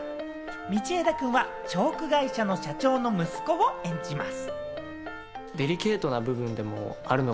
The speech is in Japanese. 道枝君はチョーク会社の社長の息子を演じます。